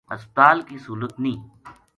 ہسپتال کی سہولت نیہہ